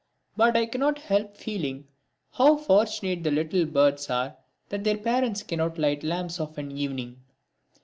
But I cannot help feeling how fortunate the little birds are that their parents cannot light lamps of an evening.